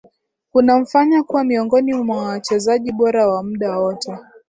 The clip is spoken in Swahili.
kunamfanya kuwa miongoni mwa wachezaji bora wa muda wote